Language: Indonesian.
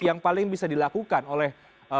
yang paling bisa dilakukan oleh